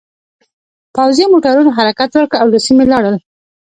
پوځي موټرونو حرکت وکړ او له سیمې لاړل